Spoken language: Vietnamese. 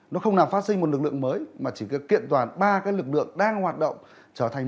nó không làm phát sinh một lực lượng mới mà chỉ cần kiện toàn ba cái lực lượng đang hoạt động trở thành